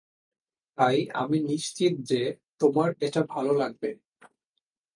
তাই আমি নিশ্চিত যে, তোমার এটা ভাল লাগবে।